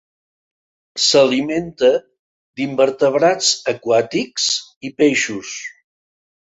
S'alimenta d'invertebrats aquàtics i peixos.